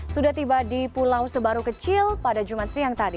sudah tiba di pulau sebaru kecil pada jumat siang tadi